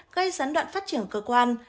gây gián đoạn phát triển của cơ quan